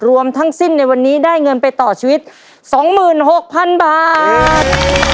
รวมทั้งสิ้นในวันนี้ได้เงินไปต่อชีวิต๒๖๐๐๐บาท